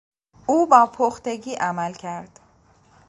او با پختگی عمل کرد.